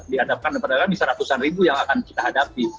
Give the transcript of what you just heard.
dihadapkan pada saat saat bisa ratusan ribu yang akan kita hadapi